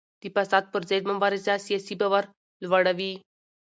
د فساد پر ضد مبارزه سیاسي باور لوړوي